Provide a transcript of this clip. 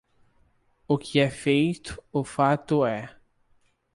O que é feito, o fato é.